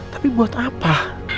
tapi buat apa